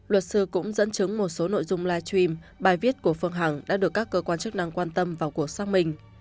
luật sư cũng dẫn chứng một số nội dung live stream bài viết của phương hằng đã được các cơ quan chức năng quan tâm vào cuộc xác minh